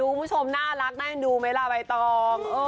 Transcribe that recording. สาธุคุณผู้ชมน่ารักได้ยังดูไหมล่ะไบตอง